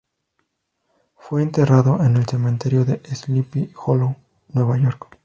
Fue enterrado en el cementerio de Sleepy Hollow, Nueva York.